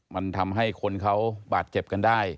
มันทำให้คนเขาบาดเจ็บกันได้